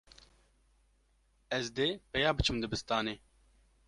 Ez dê peya biçim dibistanê.